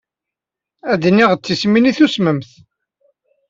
Ad d-iniɣ d tismin i tusmemt.